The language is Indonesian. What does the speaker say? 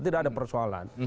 tidak ada persoalan